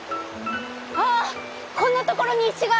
あっこんなところに石が！